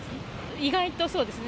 意外とそうですね。